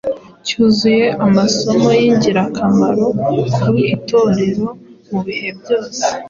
cyuzuye amasomo y’ingirakamaro ku Itorero ryo mu bihe byose.